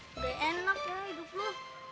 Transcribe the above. mereka sudah berani bersukanya opo